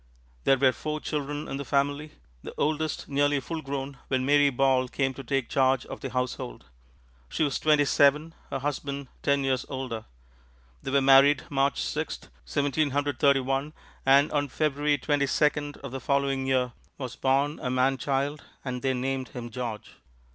There were four children in the family, the oldest nearly full grown, when Mary Ball came to take charge of the household. She was twenty seven, her husband ten years older. They were married March Sixth, Seventeen Hundred Thirty one, and on February Twenty second of the following year was born a man child and they named him George.